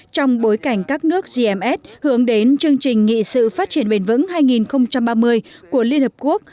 trong bối cảnh các nước gms hướng đến chương trình nghị sự phát triển bền vững hai nghìn ba mươi của liên hợp quốc